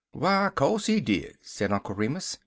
"W'y co'se he did," said Uncle Remus.